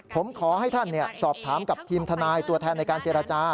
ผมขอให้ท่านสอบถามกับทีมทนายตัวแทนในการเจรจา